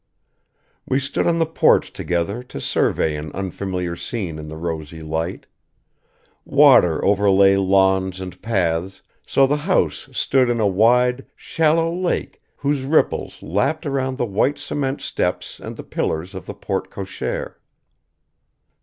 We stood on the porch together to survey an unfamiliar scene in the rosy light. Water overlay lawns and paths, so the house stood in a wide, shallow lake whose ripples lapped around the white cement steps and the pillars of the porte cochère.